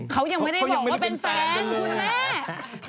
เขายังไม่ได้บอกว่าเป็นแฟนคุณแม่